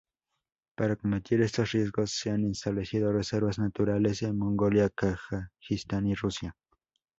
Para combatir estos riesgos se han establecido reservas naturales en Mongolia, Kazajistán y Rusia.